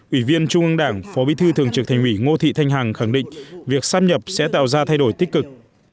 ủy viên trung ương đảng phó bí thư thường trực thành ủy ngô thị thanh hằng khẳng định việc sắp nhập sẽ tạo ra thay đổi tích cực